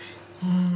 うん。